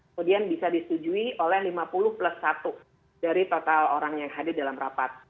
kemudian bisa disetujui oleh lima puluh plus satu dari total orang yang hadir dalam rapat